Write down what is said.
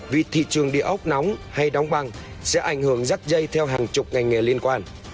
vì thị trường địa ốc nóng hay đóng băng sẽ ảnh hưởng rắt dây theo hàng chục ngành nghề liên quan